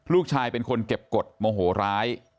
ลูกชายเป็นคนเก็บกฎโมโหร้าย